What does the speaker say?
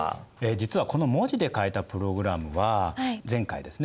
実はこの文字で書いたプログラムは前回ですね